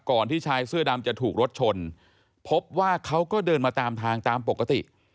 ที่ชายเสื้อดำจะถูกรถชนพบว่าเขาก็เดินมาตามทางตามปกติ